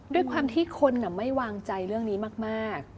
ด้วยความที่คนไม่วางใจเรื่องนี้มาก